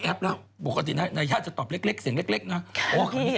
แอปแล้วปกตินายยาจะตอบเล็กเสียงเล็กเนอะโอเค